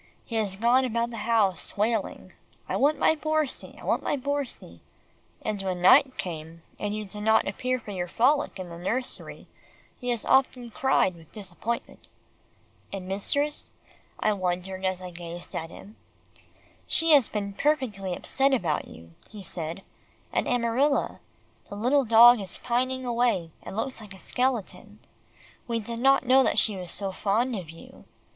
"He has gone about the house wailing, 'I want my Borsie I want my Borsie,' and when night came, and you did not appear for your frolic in the nursery, he has often cried with disappointment." "And mistress," I wondered as I gazed at him. "She has been perfectly upset about you," he said, "and Amarilla. The little dog is pining away, and looks like a skeleton. We did not know that she was so fond of you.